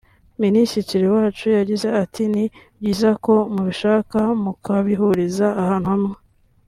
Minisitiri Uwacu yagize ati “Ni byiza ko mubishaka mukabihuriza ahantu hamwe